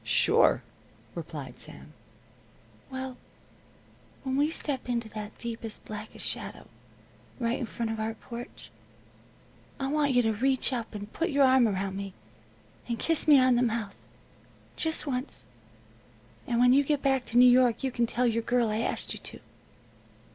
"Sure," replied Sam. "Well, when we step into that deepest, blackest shadow, right in front of our porch, I want you to reach up, and put your arm around me and kiss me on the mouth, just once. And when you get back to New York you can tell your girl I asked you to."